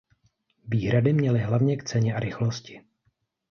Výhrady měly hlavně k ceně a rychlosti.